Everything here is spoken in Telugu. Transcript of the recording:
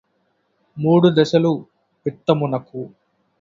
మూడు దశలు విత్తమునకు